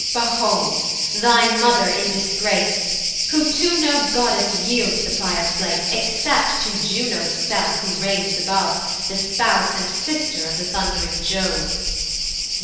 behold, thy mother in disgrace, "Who to no goddess yields the prior place "Except to Juno's self, who reigns above, "The spouse and sister of the thund'ring Jove.